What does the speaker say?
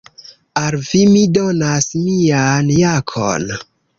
Al vi mi donos mian jakon.